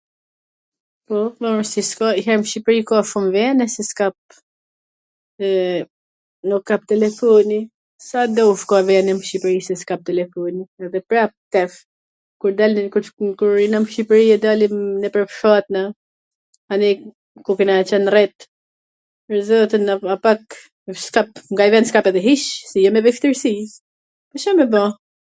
Po, mor, si s ka... nj her n Shqipri ka shum vene qw s kap, eee, nuk kap telefoni, sa dush ka vene n Shqipri qw s kap telefoni , edhe prap tesh, kur dalim pwr t shku... kur jena n Shqipri e dalim nwpwr fshatna, anej ku kena qwn rrit, pwr zotin, a pak, nga ai ven s kapet hiC, jo me veshtirsi, po Ca me ba?